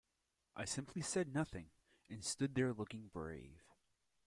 I simply said nothing, and stood there looking brave.